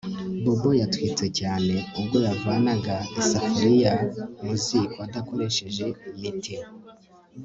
Bobo yatwitse cyane ubwo yavanaga isafuriya mu ziko adakoresheje miti